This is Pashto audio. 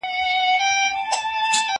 زه خبري کړې دي؟!